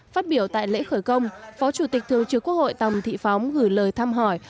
phát biểu tại lễ khởi công phó chủ tịch thường trực quốc hội tòng thị phóng gửi lời thăm hỏi